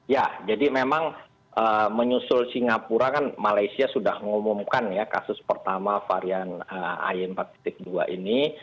ya jadi memang menyusul singapura kan malaysia sudah mengumumkan ya kasus pertama varian ay empat dua ini